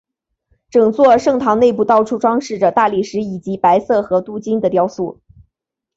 整座圣堂内部到处装饰着大理石以及白色和镀金的雕塑。